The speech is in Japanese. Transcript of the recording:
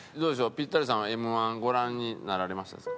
ピッタリさんはＭ−１ご覧になられましたですか？